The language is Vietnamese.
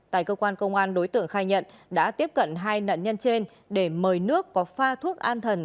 tại cơ quan công an đối tượng khai nhận đã tiếp cận hai nạn nhân trên để mời nước có pha thuốc an thần